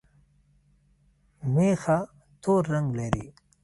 مېخه تور رنګ لري